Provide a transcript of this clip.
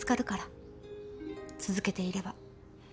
続けていれば。